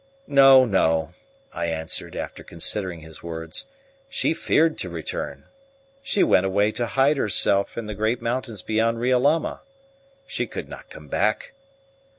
"No, no," I answered, after considering his words. "She feared to return; she went away to hide herself in the great mountains beyond Riolama. She could not come back."